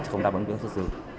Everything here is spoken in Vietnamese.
không đáp ứng với xuất xứ